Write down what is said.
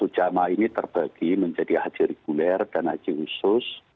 seratus lima puluh satu jamaah ini terbagi menjadi haji reguler dan haji khusus